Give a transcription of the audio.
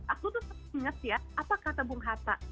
aku tuh inget ya apa kata bung hatta